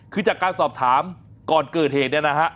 คือจากการสอบถามก่อนเกิดเหตุเนี่ยนะฮะ